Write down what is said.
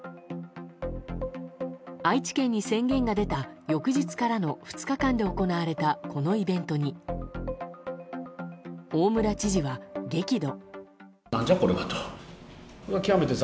愛知県に宣言が出た翌日からの２日間で行われたこのイベントに大村知事は激怒。